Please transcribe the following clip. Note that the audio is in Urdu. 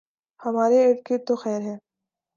ہمارے اردگرد تو خیر سے